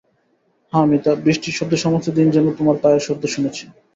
হাঁ মিতা, বৃষ্টির শব্দে সমস্ত দিন যেন তোমার পায়ের শব্দ শুনেছি।